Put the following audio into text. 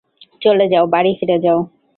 চলে যাও, বাড়ি ফিরে যাও।